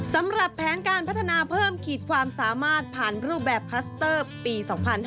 สำหรับแผนการพัฒนาเพิ่มขีดความสามารถผ่านรูปแบบคลัสเตอร์ปี๒๕๕๙